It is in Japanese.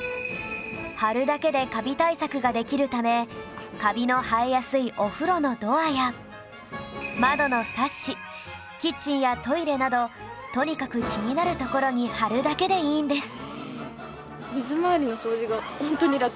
貼るだけでカビ対策ができるためカビの生えやすいお風呂のドアや窓のサッシキッチンやトイレなどとにかく気になる所に貼るだけでいいんです